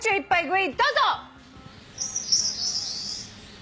どうぞ！